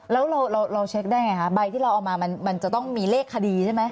แล้วเราเช็คได้ไงคะใบที่เราเอามามันจะต้องมีเลขคดีใช่ไหม